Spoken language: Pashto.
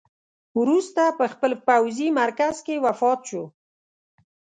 وروسته په خپل پوځي مرکز کې وفات شو.